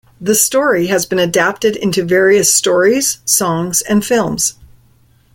The story has been adapted into various stories, songs and films.